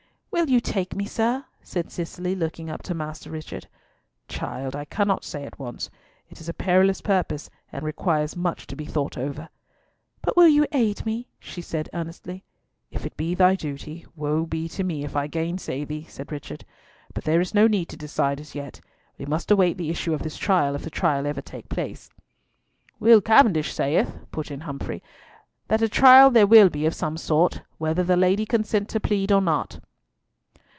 "Will you take me, sir?" said Cicely, looking up to Master Richard. "Child, I cannot say at once. It is a perilous purpose, and requires much to be thought over." "But you will aid me?" she said earnestly. "If it be thy duty, woe be to me if I gainsay thee," said Richard; "but there is no need to decide as yet. We must await the issue of this trial, if the trial ever take place." "Will Cavendish saith," put in Humfrey, "that a trial there will be of some sort, whether the Lady consent to plead or not."